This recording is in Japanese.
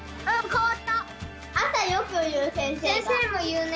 せんせいもいうね。